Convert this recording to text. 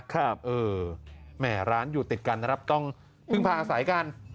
ครับเออแหมร้านอยู่ติดกันนะครับต้องพึ่งพาอาศัยกัน